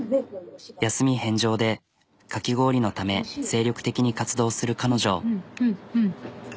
休み返上でかき氷のため精力的に活動する彼女。